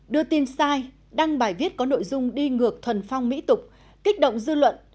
đưa tin sai đăng bài viết có nội dung đi ngược thuần phong mỹ tục kích động dư luận